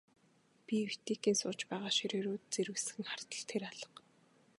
Би Витекийн сууж байгаа ширээ рүү зэрвэсхэн хартал тэр алга.